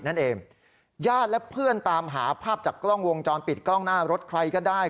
นั่นเองญาติและเพื่อนตามหาภาพจากกล้องวงจรปิดกล้องหน้ารถใครก็ได้